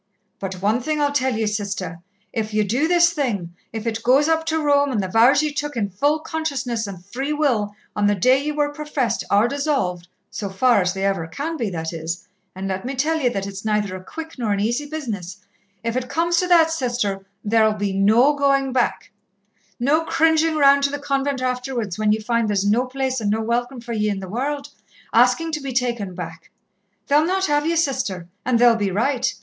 "But one thing I'll tell ye, Sister. If ye do this thing if it goes up to Rome, and the vows ye took in full consciousness and free will on the day ye were professed, are dissolved so far as they ever can be, that is, and let me tell ye that it's neither a quick nor an easy business if it comes to that, Sister, there'll be no going back. No cringing round to the convent afterwards, when ye find there's no place and no welcome for ye in the world, asking to be taken back. They'll not have ye, Sister, and they'll be right.